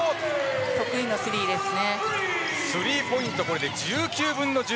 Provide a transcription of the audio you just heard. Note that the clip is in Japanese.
得意のスリーですね。